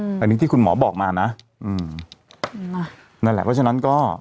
อันนี้ที่คุณหมอบอกมานะอืมนั่นแหละเพราะฉะนั้นก็